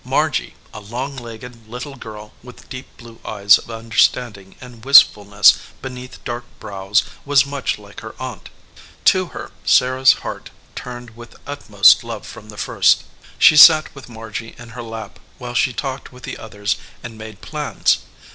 Margy, a long legged little girl with deep blue eyes of understanding and wist fulness beneath dark brows, was much like her aunt. To her Sarah s heart turned with utmost love from the first. She sat with Margy in her 21 EDGEWATER PEOPLE lap while she talked with the others and made plans.